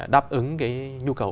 đáp ứng nhu cầu